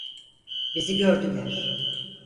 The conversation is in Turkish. Bizi gördüler.